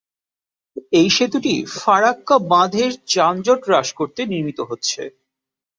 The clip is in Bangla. এই সেতুটি ফারাক্কা বাঁধের যানজট হ্রাস করতে নির্মিত হচ্ছে।